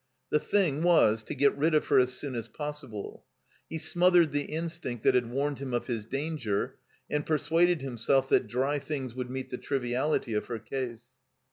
The thing was to get rid of her as soon as possible. He smothered the instinct that had warned him of his danger, and persuaded himself that dry things would meet the triviality of her case.